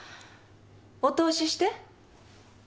お通しして。